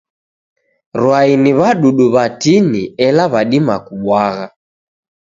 Rwai ni w'adudu w'atini ela w'adima kubwagha.